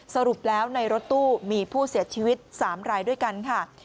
สรุปแล้วในรถตู้มีผู้เสียชีวิต๓รายด้วยกันค่ะ